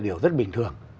điều rất bình thường